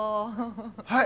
はい！